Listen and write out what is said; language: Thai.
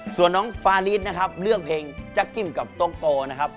ส่วนน้องฟาลิสนะครับเลือกเพลงจักกิ้มกับโต้งโกนะครับ